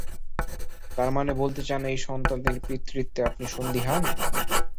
তারমানে, বলতে চান এই সন্তানের পিতৃত্বে আপনি সন্দিহান?